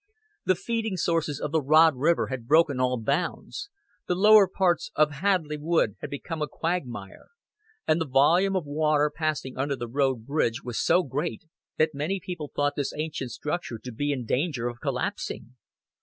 The feeding sources of the Rod River had broken all bounds; the lower parts of Hadleigh Wood had become a quagmire; and the volume of water passing under the road bridge was so great that many people thought this ancient structure to be in danger of collapsing.